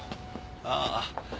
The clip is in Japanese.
ああ。